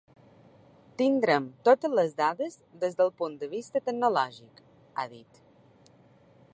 “Tindrem totes les dades des del punt de vista tecnològic”, ha dit.